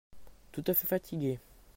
Tout à fait fatigué.